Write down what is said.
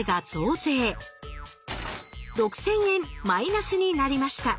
６，０００円マイナスになりました。